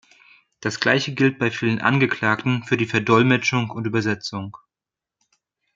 Das Gleiche gilt bei vielen Angeklagten für die Verdolmetschung und Übersetzung.